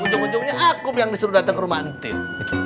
ujung ujungnya aku yang disuruh datang ke rumah entit